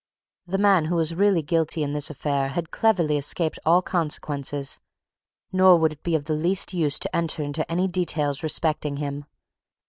The man who was really guilty in this affair had cleverly escaped all consequences, nor would it be of the least use to enter into any details respecting him.